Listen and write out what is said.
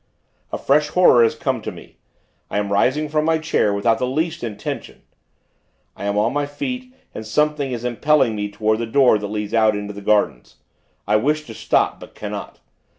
A fresh horror has come to me. I am rising from my chair, without the least intention. I am on my feet, and something is impelling me toward the door that leads out into the gardens. I wish to stop; but cannot.